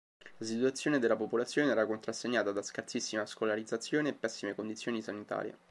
La situazione della popolazione era contrassegnata da scarsissima scolarizzazione e pessime condizioni sanitarie.